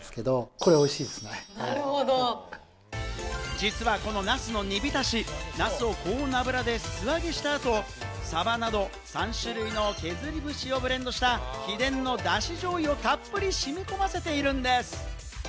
実はこの茄子の煮浸し、茄子を高温の油で素揚げしたあと、サバなど３種類の削り節をブレンドした秘伝のだし醤油をたっぷりしみ込ませているんです。